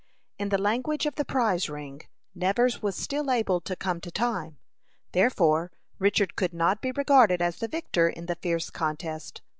In the language of the "prize ring," Nevers was still able to "come to time;" therefore Richard could not be regarded as the victor in the fierce contest.